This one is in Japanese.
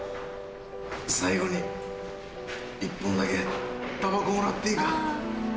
最後に１本だけタバコもらっていいか？